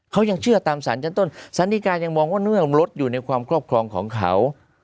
เขายังเชื่อตามสารชั้นต้นสารดีการยังมองว่าเรื่องรถอยู่ในความครอบครองของเขา